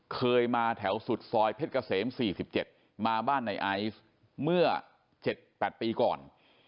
เคยมาแถวสุดซอยเพชรเกษม๔๗มาบ้านในไอซ์เมื่อ๗๘ปีก่อน